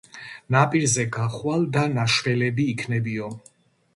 ნაპირზე გახვალ და ნაშველები იქნებიო.